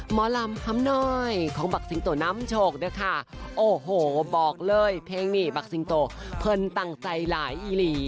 หมอลำคำน้อยของบักซิงโตนำโชคด้วยค่ะโอ้โหบอกเลยเพลงนี้บักซิงโตเพลินตั้งใจหลายอีหลี